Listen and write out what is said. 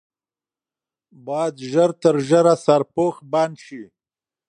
باید ژر تر ژره سرپوش بند شي.